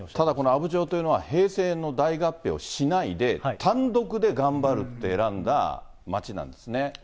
阿武町というのは平成の大合併をしないで、しないで単独で頑張るって選んだ町なんですね。